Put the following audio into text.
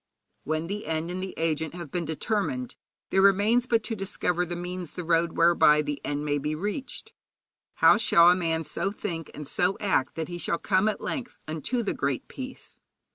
When the end and the agent have been determined, there remains but to discover the means, the road whereby the end may be reached. How shall a man so think and so act that he shall come at length unto the Great Peace?